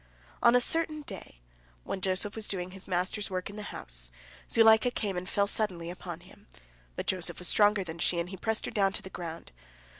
On a certain day, while Joseph was doing his master's work in the house, Zuleika came and fell suddenly upon him, but Joseph was stronger than she, and he pressed her down to the ground.